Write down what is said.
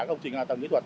công trình tầng kỹ thuật